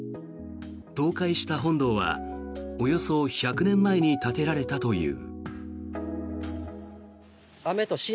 倒壊した本堂はおよそ１００年前に建てられたという。